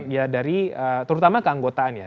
ya dari terutama keanggotaan ya